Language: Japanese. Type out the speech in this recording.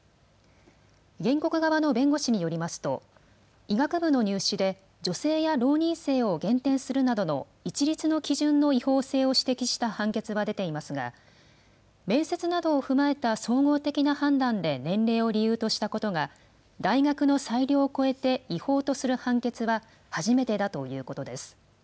原告側の弁護士によりますと、医学部の入試で女性や浪人生を減点するなどの一律の基準の違法性を指摘した判決は出ていますが、面接などを踏まえた総合的な判断で年齢を理由としたことが、大学の裁量を超えて違法とする判決は初めてだということです。